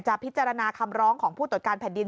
พิจารณาคำร้องของผู้ตรวจการแผ่นดิน